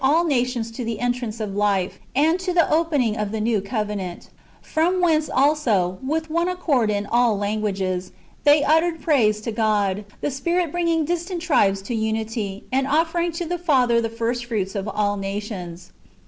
335 all nations to the entrance of life, and to the opening of the new covenant; from whence also, with one accord in all languages, they uttered praise to God, the Spirit bringing distant tribes to unity, and offering to the Father the first fruits of all nations.